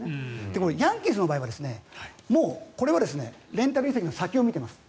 ヤンキースの場合はもうこれは、レンタル移籍の先を見ています。